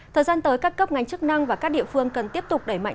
thời gian tới các cấp ngành chức năng và các địa phương cần tiếp tục đẩy mạnh